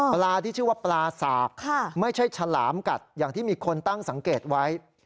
ปลาที่ชื่อว่าปลาสากไม่ใช่ฉลามกัดอย่างที่มีคนตั้งสังเกตไว้